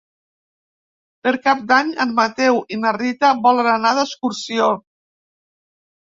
Per Cap d'Any en Mateu i na Rita volen anar d'excursió.